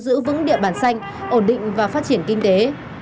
giữ vững địa bàn xanh ổn định và phát triển kinh tế